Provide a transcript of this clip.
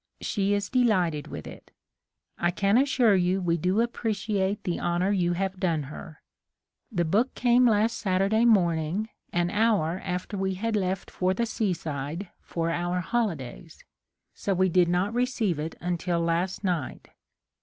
She is delighted with it. I can as sure you we do appreciate the honour you have done her. The book came last Satur day morning an hour after we had left for the seaside for our holidays, so we did not receive it until last night.